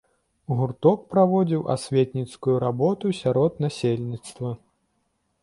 Гурток праводзіў асветніцкую работу сярод насельніцтва.